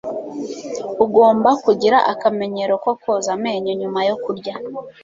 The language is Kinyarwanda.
ugomba kugira akamenyero ko koza amenyo nyuma yo kurya